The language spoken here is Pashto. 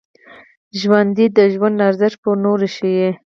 ژوندي د ژوند ارزښت پر نورو ښيي